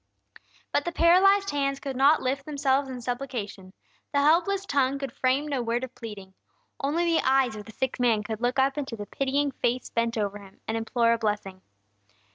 But the paralyzed hands could not lift themselves in supplication; the helpless tongue could frame no word of pleading, only the eyes of the sick man could look up into the pitying face bent over him, and implore a blessing.